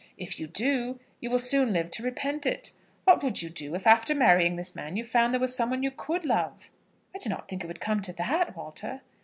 If you do, you will soon live to repent it. What would you do, if after marrying this man you found there was some one you could love?" "I do not think it would come to that, Walter."